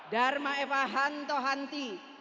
darma efahanto hanti